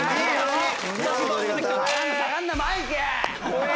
怖え！